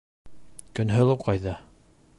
Көнһылыу ҡайҙа?